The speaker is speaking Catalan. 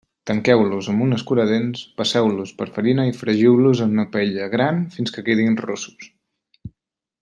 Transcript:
Tanqueu-los amb un escuradents, passeu-los per farina i fregiu-los en una paella gran fins que quedin rossos.